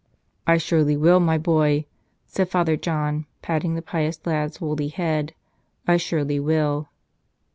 "I surely will, my boy," said Father John, patting the pious lad's woolly head ; "I surely will."